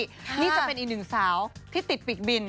นี่จะเป็นอีกหนึ่งสาวที่ติดปีกบิน